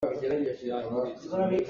Khua a lum deuh tikah tiva kan kal te lai.